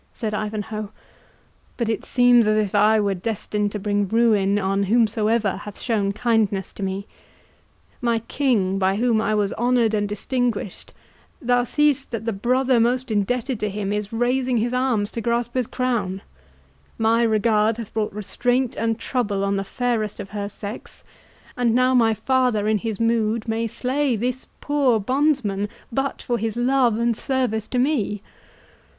said Ivanhoe; "but it seems as if I were destined to bring ruin on whomsoever hath shown kindness to me. My king, by whom I was honoured and distinguished, thou seest that the brother most indebted to him is raising his arms to grasp his crown;—my regard hath brought restraint and trouble on the fairest of her sex;—and now my father in his mood may slay this poor bondsman but for his love and loyal service to me!